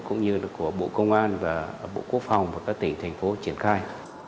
cũng như của bộ công an và bộ quốc phòng và các tỉnh thành phố triển khai